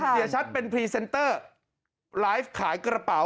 เสียชัดเป็นพรีเซนเตอร์ไลฟ์ขายกระเป๋า